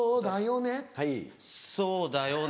そうだよね